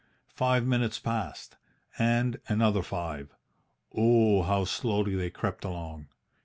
Five minutes passed, and another five. Oh, how slowly they crept along!